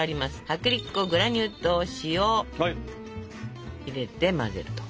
薄力粉グラニュー糖塩入れて混ぜると。